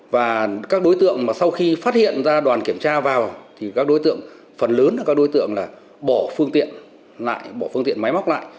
và các đối tượng mà sau khi phát hiện ra đoàn kiểm tra vào thì các đối tượng phần lớn là các đối tượng là bỏ phương tiện lại bỏ phương tiện máy móc lại